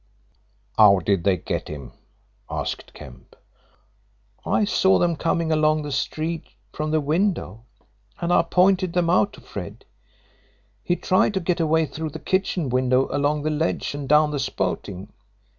"How did they get him?" asked Kemp. "I saw them coming along the street from the window, and I pointed them out to Fred. He tried to get away through the kitchen window along the ledge and down the spouting.